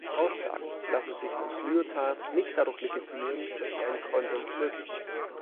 Aussagen lassen sich nach Lyotard nicht dadurch legitimieren, dass sie einen Konsens ermöglichen.